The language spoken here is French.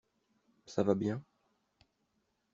Ça va bien ?